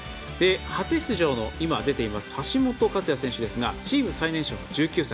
初出場の橋本勝也選手ですがチーム最年少の１９歳。